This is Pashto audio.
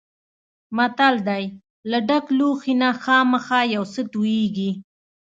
متل دی: له ډک لوښي نه خامخا یو څه تویېږي.